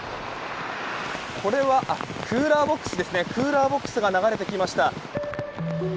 これはクーラーボックスですねクーラーボックスが流れてきました。